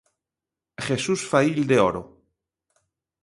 Jesús Faílde Oro.